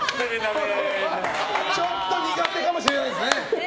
ちょっと苦手かもしれないですね。